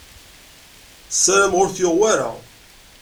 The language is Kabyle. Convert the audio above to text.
Ssarameɣ ur t-yuɣ wara.